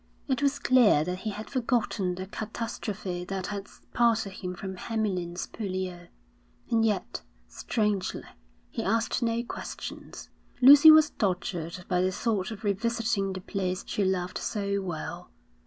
It was clear that he had forgotten the catastrophe that had parted him from Hamlyn's Purlieu, and yet, strangely, he asked no questions. Lucy was tortured by the thought of revisiting the place she loved so well.